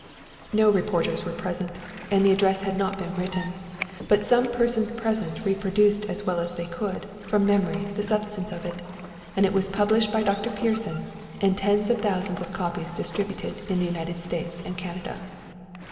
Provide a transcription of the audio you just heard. No reporters were present, and the address had not been written, but some persons present reproduced as well as they could, from memory, the substance of it; and it was published by Dr. Pierson, and tens of thousands of copies distributed in the United States and Canada.